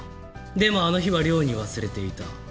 でもあの日は寮に忘れていた。